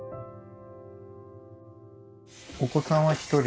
お子さんは１人？